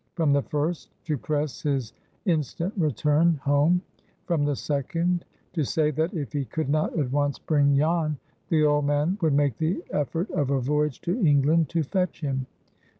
From the first, to press his instant return home; from the second, to say that, if he could not at once bring Jan, the old man would make the effort of a voyage to England to fetch him.